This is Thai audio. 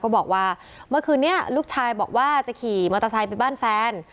บอกว่าเมื่อคืนนี้ลูกชายบอกว่าจะขี่มอเตอร์ไซค์ไปบ้านแฟน